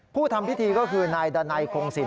ผู้ทำพิธีก็คือนายดานัยคงสิน